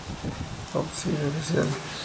Website Oficial